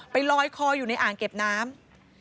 ลอยคออยู่ในอ่างเก็บน้ำ